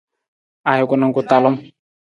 Ajuku na ku talung.